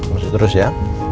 masuk terus ya